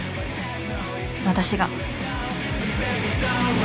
私が